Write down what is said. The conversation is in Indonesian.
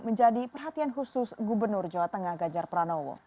menjadi perhatian khusus gubernur jawa tengah ganjar pranowo